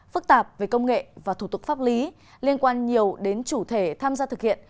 phức tạp về công nghệ và thủ tục pháp lý liên quan nhiều đến chủ thể tham gia thực hiện